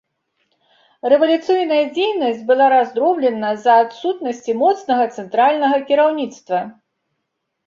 Рэвалюцыйная дзейнасць была раздроблена з-за адсутнасці моцнага цэнтральнага кіраўніцтва.